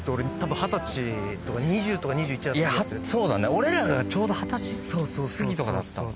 俺らがちょうど二十歳過ぎとかだったわ